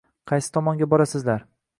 Qaysi tomonga borasizlar